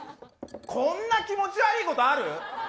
こんな気持ち悪いことある？